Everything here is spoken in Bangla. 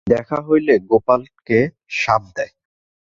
দেখা হইলে গোপালকে শাপ দেয়।